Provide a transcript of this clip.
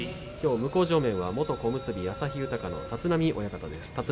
向正面は元小結旭豊の立浪親方です。